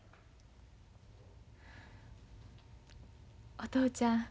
お父ちゃん